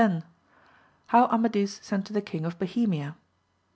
— How Amadis sent to the King of Bohemia.